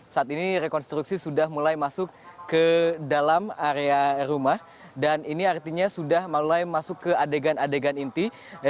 saat ini rekonstruksi sudah mulai masuk ke dalam area rumah dan ini artinya sudah mulai masuk ke adegan adegan inti